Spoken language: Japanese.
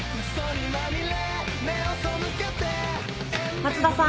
松田さん